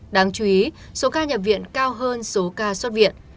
đáng chú ý số ca nhập viện cao hơn số ca xuất viện